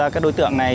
các đối tượng này